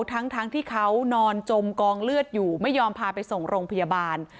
ทั้งที่เขานอนจมกองเลือดอยู่ไม่ยอมพาไปส่งโรงพยาบาล